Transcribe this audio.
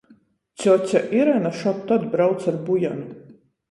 Cjoce Irena šod tod brauc ar Bujanu.